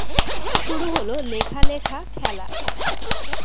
শুরু হলো লেখা লেখা খেলা।